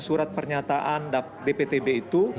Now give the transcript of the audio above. surat pernyataan dptb itu